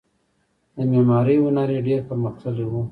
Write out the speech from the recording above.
د معمارۍ هنر یې ډیر پرمختللی و